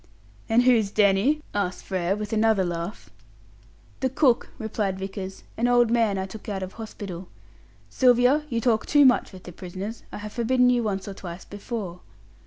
"And who's Danny?" asked Frere, with another laugh. "The cook," replied Vickers. "An old man I took out of hospital. Sylvia, you talk too much with the prisoners. I have forbidden you once or twice before."